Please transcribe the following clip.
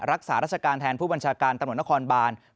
รักษาราชการแทนผู้บัญชาการตำรวจนครบาน